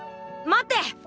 待って！